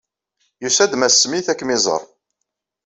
Yusa-d Mass Smith ad kem-iẓeṛ.